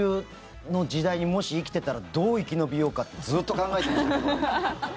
ずっとでも、この恐竜の時代にもし生きてたらどう生き延びようかずっと考えてましたけどね。